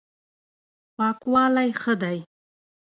پاکوالی ښه دی.